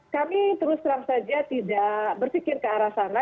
kami terus terang saja tidak berpikir ke arah sana